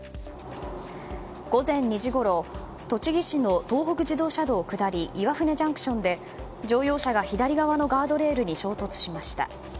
午前２時ごろ栃木市の東北自動車道下り岩舟ＪＣＴで乗用車が左側のガードレールに衝突しました。